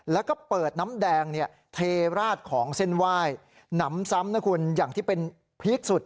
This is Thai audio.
แล้วก็เปิดน้ำแดงเนี่ยเทราดของเส้นไหว้หนำซ้ำนะคุณอย่างที่เป็นพีคสุด